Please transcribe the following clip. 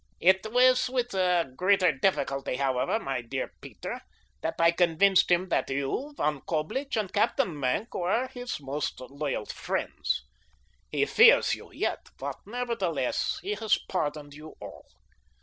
"It was with greater difficulty, however, my dear Peter, that I convinced him that you, Von Coblich, and Captain Maenck were his most loyal friends. He fears you yet, but, nevertheless, he has pardoned you all.